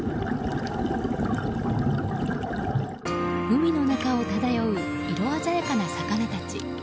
海の中を漂う色鮮やかな魚たち。